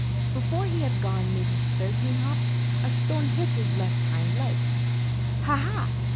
Before he had gone maybe thirteen hops a stone hit his left hind leg. "Ha, ha!"